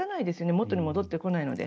元に戻ってこないので。